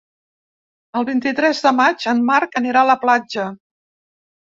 El vint-i-tres de maig en Marc anirà a la platja.